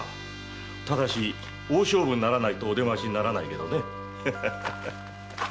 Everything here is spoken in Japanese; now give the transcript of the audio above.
ただし大勝負にならないとお出ましにならないけどね。